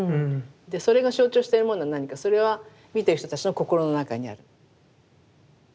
それが象徴してるものは何かそれは見てる人たちの心の中にある。